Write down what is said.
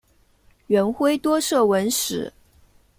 元晖多涉文史。